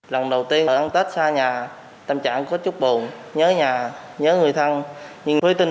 lần đầu tiên mà ăn tết xa nhà tâm trạng có chúc buồn nhớ nhà nhớ người thân nhưng với tinh